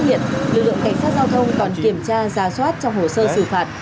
lực lượng cảnh sát giao thông còn kiểm tra rà soát trong hồ sơ xử phạt